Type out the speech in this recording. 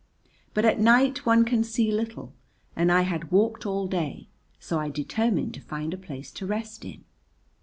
But at night one can see little and I had walked all day, so I determined to find a place to rest in.